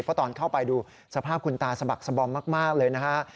เพราะตอนเข้าไปดูสภาพคุณตาสะบักสบอมมากเลยนะฮะ